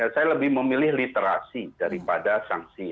saya lebih memilih literasi daripada sanksi